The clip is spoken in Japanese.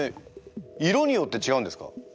色によって違うんですか？